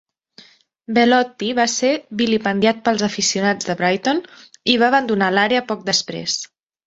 Bellotti va ser vilipendiat pels aficionats de Brighton i va abandonar l'àrea poc després.